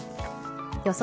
予想